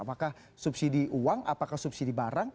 apakah subsidi uang apakah subsidi barang